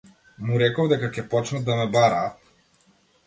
Му реков дека ќе почнат да ме бараат.